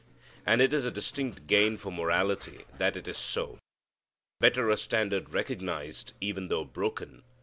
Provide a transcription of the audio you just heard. And it is a distinct gain for morality that it is so. Better a standard recognized, even though broken.